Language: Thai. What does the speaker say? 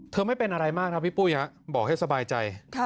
ไม่เป็นอะไรมากนะพี่ปุ้ยบอกให้สบายใจ